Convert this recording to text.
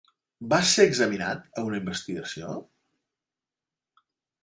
Vas ser examinat a una investigació?